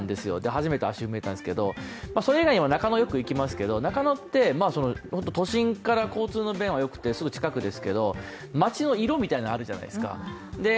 初めて足を踏み入れたんですけどそれ以外にも中野によく行きますけど、中野って都心から交通の便がよくてすぐ近くですけど街の色みたいなものあるじゃないですか。